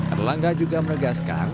adelangga juga menegaskan